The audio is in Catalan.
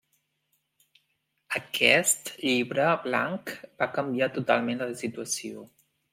Aquest llibre blanc va canviar totalment la situació.